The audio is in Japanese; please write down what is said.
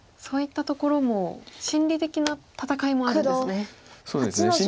そういったところも心理的な戦いもあるんですね。